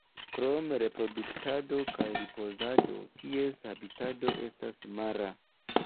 Krom reproduktado kaj ripozado, ties habitato estas mara.